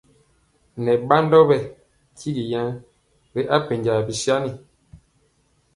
Nɛ badɔ bɛ tyigi yan ri apenja bisani.